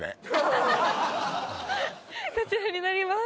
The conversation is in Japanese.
こちらになります